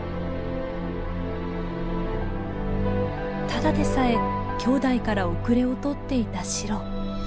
ただでさえきょうだいから後れを取っていたシロ。